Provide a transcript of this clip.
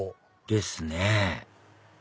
ですね